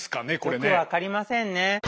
よく分かりませんね。